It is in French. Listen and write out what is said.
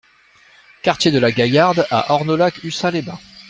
Quartier de la Gaillarde à Ornolac-Ussat-les-Bains